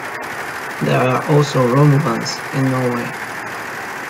There are also Romuvans in Norway.